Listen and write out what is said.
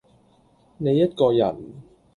你一個人，